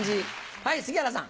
はい杉原さん。